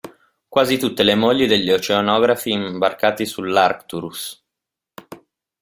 Quasi tutte mogli degli oceanografi imbarcati sull'Arcturus.